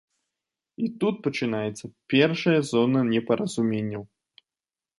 І тут пачынаецца першая зона непаразуменняў.